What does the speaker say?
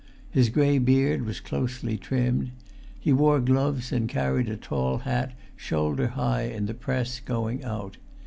His grey beard was close trimmed. He wore gloves and carried a tall hat shoulder high in the press going out.